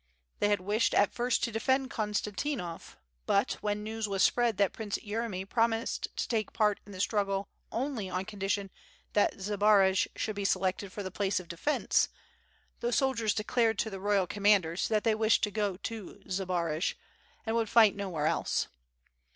They had wished at first to defend Konstantinov, but when news was spread that Prince Yeremy promised to take part in the struggle only on condition that Zbaraj should be selected for the place of defence, the soldiers declared to the royal commanders that they wished to go to Zbaraj, and would fight nowhere else.